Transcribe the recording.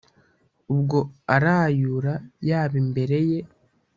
Ubwo arayura yaba imbere ye,